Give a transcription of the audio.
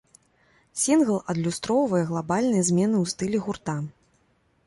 Сінгл адлюстроўвае глабальныя змены ў стылі гурта.